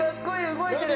動いてる！